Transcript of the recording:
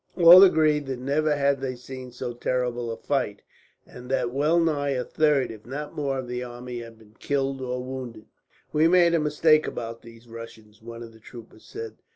All agreed that never had they seen so terrible a fight, and that well nigh a third, if not more, of the army had been killed or wounded. "We made a mistake about these Russians," one of the troopers said.